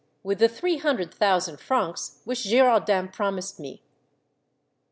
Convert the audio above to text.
"WITH THE THREE HUNDRED THOU SAND FRANCS WHICH GIRARDIN PROMISED ME!"